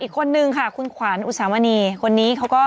อีกคนนึงค่ะคุณขวัญอุสามณีคนนี้เขาก็